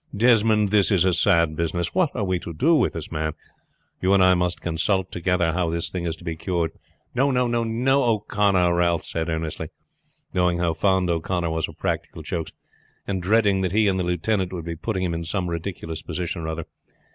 Desmond, this is a sad business. What are we to do with this man? You and I must consult together how this thing is to be cured." "No, no, O'Connor," Ralph said earnestly, knowing how fond O'Connor was of practical jokes, and dreading that he and the lieutenant would be putting him in some ridiculous position or other.